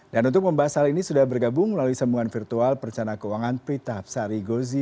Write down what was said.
dan untuk membahas hal ini sudah bergabung melalui sembuhan virtual perjalanan keuangan prita hapsari gozi